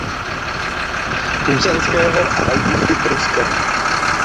Hesenského a Augusty Pruské.